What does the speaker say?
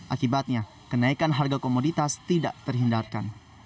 akibatnya kenaikan harga komoditas tidak terhindarkan